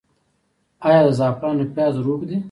آیا د زعفرانو پیاز روغ دي؟